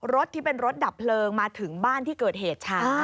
รถที่เป็นรถดับเพลิงมาถึงบ้านที่เกิดเหตุช้า